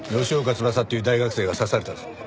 翼っていう大学生が刺されたぞ。